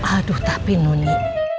aduh tapi nuni